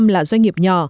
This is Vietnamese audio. bốn năm là doanh nghiệp nhỏ